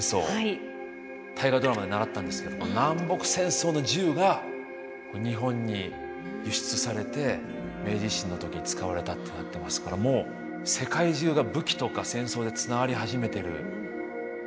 「大河ドラマ」で習ったんですけど南北戦争の銃が日本に輸出されて明治維新の時に使われたってなってますからもう世界中が武器とか戦争でつながり始めてる。